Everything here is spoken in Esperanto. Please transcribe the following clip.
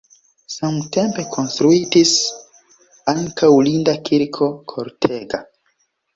Samtempe konstruitis ankaŭ linda kirko kortega.